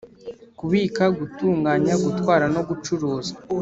Kubika gutunganya gutwara no gucuruza